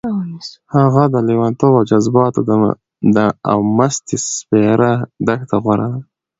هغه د لېونتوب او جذباتو او مستۍ سپېره دښته غوره ده.